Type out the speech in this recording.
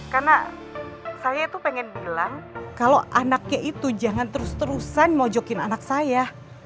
karena saya tuh pengen bilang kalau anaknya itu jangan terus terusan mojokin anak saya